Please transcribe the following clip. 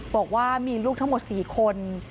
บอกว่ามีลูกทั้งหมด๔คน